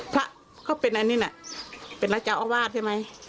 พระเขาเป็นอันนี้แหละเป็นนักเจ้าอาวาสใช่ไหม